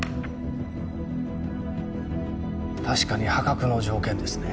確かに破格の条件ですね。